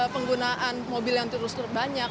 penggunaan mobil yang terlalu banyak